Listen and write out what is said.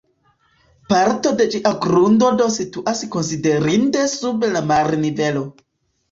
Parto de ĝia grundo do situas konsiderinde sub la marnivelo.